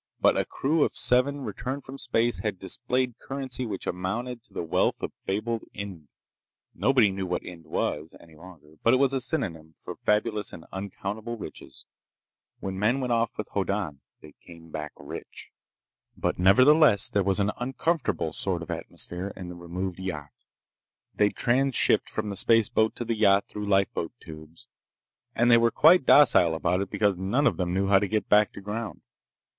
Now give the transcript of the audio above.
But a crew of seven, returned from space, had displayed currency which amounted to the wealth of fabled Ind. Nobody knew what Ind was, any longer, but it was a synonym for fabulous and uncountable riches. When men went off with Hoddan, they came back rich. But nevertheless there was an uncomfortable sort of atmosphere in the renovated yacht. They'd transshipped from the spaceboat to the yacht through lifeboat tubes, and they were quite docile about it because none of them knew how to get back to ground.